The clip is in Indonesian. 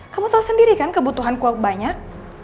kamu tahu sendiri kan kebutuhan kuak banyak